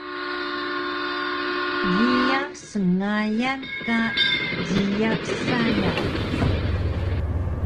Jiyax sngayan ka jiyax sayang